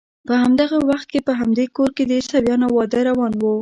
په همدغه وخت کې په همدې کور کې د عیسویانو واده روان و.